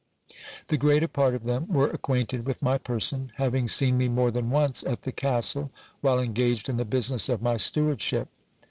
The greater part of them were acquainted with my per son, having seen me more than once at the castle, while engaged in the business of my stewardship.